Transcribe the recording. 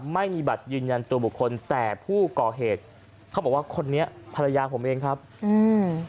ไม่มีบัตรยืนยันตัวบุคคลแต่ผู้ก่อเหตุเขาบอกว่าคนนี้ภรรยาผมเองครับอืม